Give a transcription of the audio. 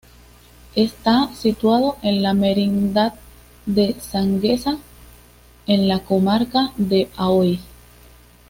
Está situado en la Merindad de Sangüesa, en la Comarca de Aoiz.